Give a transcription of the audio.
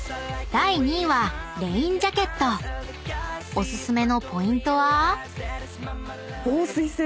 ［おすすめのポイントは？］